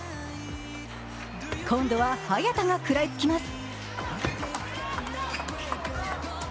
今度は早田が食らいつきます。